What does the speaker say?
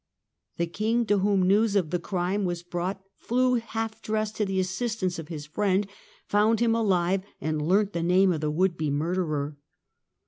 The King, to whom news of the crime was brought, flew half dressed to the assistance of his friend, found him alive and learnt the name of the would be murderer.